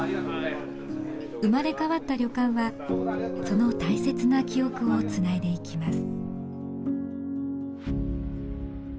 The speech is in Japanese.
生まれ変わった旅館はその大切な記憶をつないでいきます。